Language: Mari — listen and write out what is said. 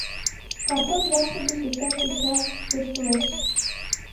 Картон яшлык гыч лекташ тӧча, тӧрштылеш.